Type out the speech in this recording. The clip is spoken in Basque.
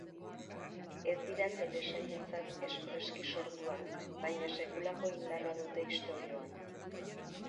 Ez dira telesailentzat espreski sortuak baina sekulako indarra dute istorioan.